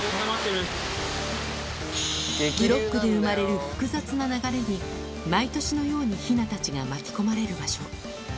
ブロックで生まれる複雑な流れに、毎年のようにヒナたちが巻き込まれる場所。